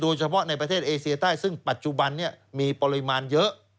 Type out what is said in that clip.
โดยเฉพาะในประเทศเอเซียใต้ซึ่งปัจจุบันนี้มีปริมาณเยอะ